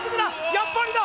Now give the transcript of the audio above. やっぱりだ！